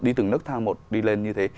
đi từng nước thang một đi lên như thế